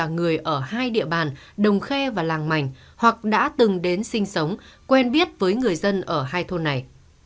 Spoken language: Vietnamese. người ở hai địa bàn đồng khe và làng mảnh hoặc đã từng đến sinh sống quen biết với người dân ở hai thôn này